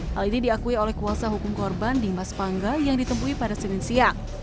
hal ini diakui oleh kuasa hukum korban dimas pangga yang ditemui pada senin siang